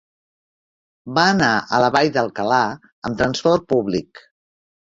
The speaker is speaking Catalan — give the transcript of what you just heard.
Va anar a la Vall d'Alcalà amb transport públic.